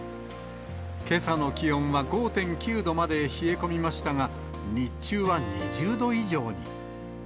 けさの気温は５．９度まで冷え込みましたが、日中は２０度以上に。